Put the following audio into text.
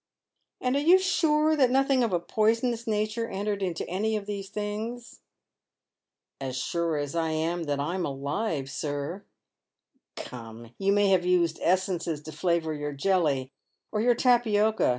" And are you sure that nothing of a poisonous nature entered into any of these things ?"" As sure as I am that I'm alive, sir." " Come, you may have used essences to flavour your jelly, or your tapioca.